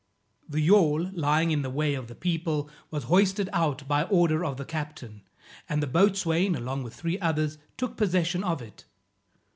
The yawl lying in the way of the people, was hoisted out by order of the captain, and the boatswain, along with three others took possession of it.